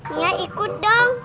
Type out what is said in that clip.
nia ikut dong